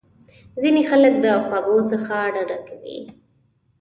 ځینې خلک د خوږو څخه ډډه کوي.